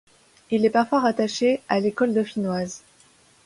Il est parfois rattaché à l'école dauphinoise.